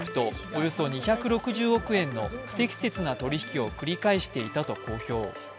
およそ２６０億円の不適切な取引を繰り返していたと公表。